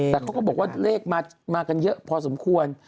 แต่เขาก็บอกว่าเลขมากันเยอะพอสมควร